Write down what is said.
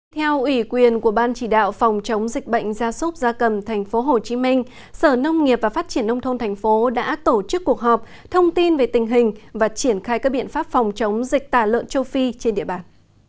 theo ủy quyền của ban chỉ đạo phòng chống dịch bệnh gia súc gia cầm tp hcm sở nông nghiệp và phát triển nông thôn thành phố đã tổ chức cuộc họp thông tin về tình hình và triển khai các biện pháp phòng chống dịch tả lợn châu phi trên địa bàn